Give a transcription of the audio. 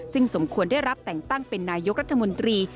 ซึ่งสมควรได้รับแต่งตั้งเป็นนายกรัฐมนตรี